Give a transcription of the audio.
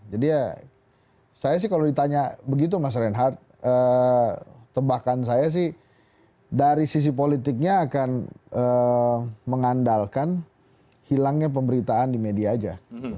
jadi ya saya sih kalau ditanya begitu mas reinhardt tebakan saya sih dari sisi politiknya akan mengandalkan hilangnya pemberitaan di media aja